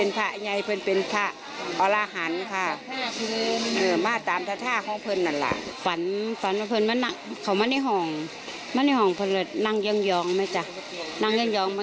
นั่งหยั่งปนกะถามด้วยร้องทำไม